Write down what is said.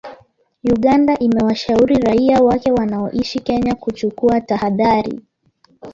Uganda imewashauri raia wake wanaoishi Kenya kuchukua tahadhari